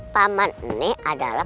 paman ini adalah